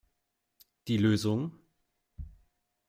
Die Lösung?